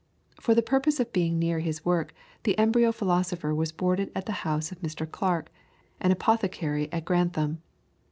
For the purpose of being near his work, the embryo philosopher was boarded at the house of Mr. Clark, an apothecary at Grantham.